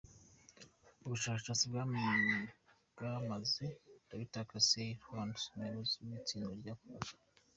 ubushakashatsi bwamaze Docteur Casey Rebholz; umuyobozi w’itsinda ryakoraga